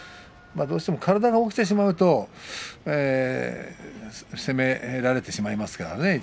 どうしても体が起きてしまうと攻められてしまいますからね